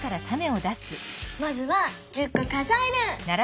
まずは１０こ数える！